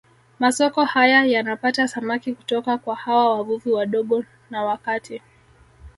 Masoko haya yanapata samaki kutoka kwa hawa wavuvi wadogo na wa kati